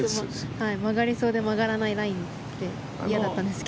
曲がりそうで曲がらないラインで嫌だったんですが。